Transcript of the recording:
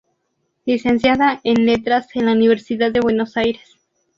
Licenciada en letras en la Universidad de Buenos Aires.